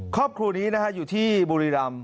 ครอบครัวนี้นะฮะอยู่ที่บุรีรำ